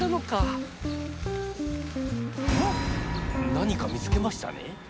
何か見つけましたね。